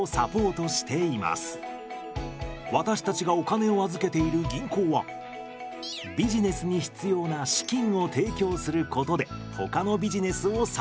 私たちがお金を預けている銀行はビジネスに必要な資金を提供することでほかのビジネスをサポート。